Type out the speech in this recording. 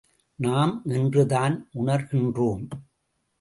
நாம் இன்றுதான் உணர்கின்றோம்.